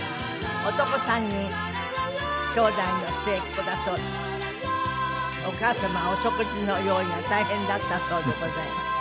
男３人兄弟の末っ子だそうでお母様はお食事の用意が大変だったそうでございます。